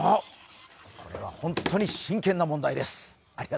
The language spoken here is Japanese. これは本当に真剣な問題です。